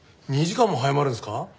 ２時間も早まるんですか？